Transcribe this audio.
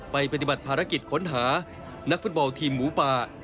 ปฏิบัติภารกิจค้นหานักฟุตบอลทีมหมูป่า